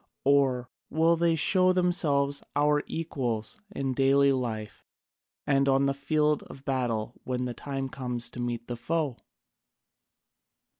Or will they show themselves our equals in daily life and on the field of battle when the time comes to meet the foe?"